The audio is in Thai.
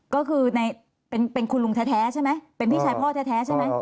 ก็คือเป็นคุณลุงแท้ใช่ไหมเป็นพี่ชายพ่อแท้ใช่ไหม